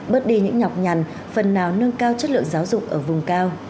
bớt đi những nhọc nhằn phần nào nâng cao chất lượng giáo dục ở vùng cao